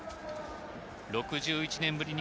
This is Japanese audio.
６１年ぶりに